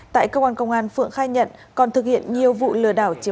tại công an công an phượng khai nhận còn thực hiện nhiều vụ lừa đảo chiếm đoạt tài sản